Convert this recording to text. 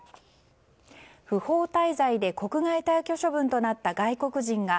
不法滞在で国外退去処分となった外国人が